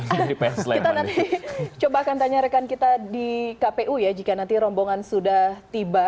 kita nanti coba akan tanya rekan kita di kpu ya jika nanti rombongan sudah tiba